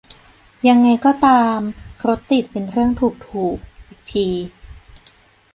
ยังไงก็ตาม "รถติดเป็นเรื่องถูก-ถูก" อีกที